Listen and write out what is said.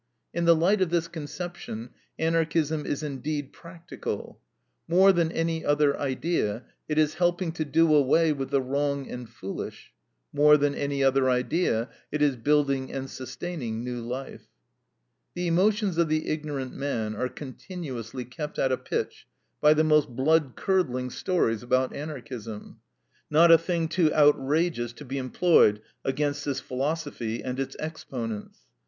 In the light of this conception, Anarchism is indeed practical. More than any other idea, it is helping to do away with the wrong and foolish; more than any other idea, it is building and sustaining new life. The emotions of the ignorant man are continuously kept at a pitch by the most blood curdling stories about Anarchism. Not a thing too outrageous to be employed against this philosophy and its exponents.